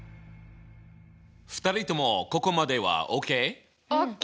２人ともここまではＯＫ？ＯＫ！